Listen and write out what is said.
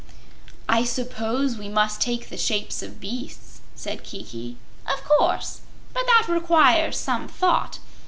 "I suppose we must take the shapes of beasts?" said Kiki. "Of course. But that requires some thought.